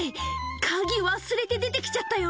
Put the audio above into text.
鍵忘れて出てきちゃったよ。